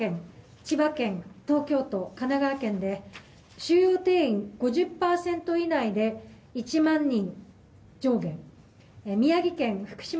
千葉県東京都神奈川県で収容定員５０％以内で１万人上限。